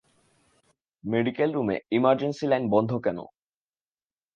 Medical রুমে emergency line বন্ধ কেন?